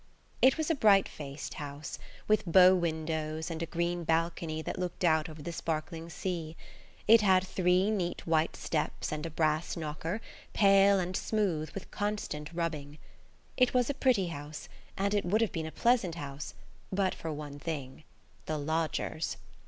It was a bright faced house with bow windows and a green balcony that looked out over the sparkling sea. It had three neat white steps and a brass knocker, pale and smooth with constant rubbing. It was a pretty house, and it would have been a pleasant house but for one thing–the lodgers.